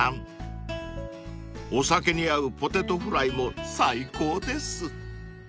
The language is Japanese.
［お酒に合うポテトフライも最高です］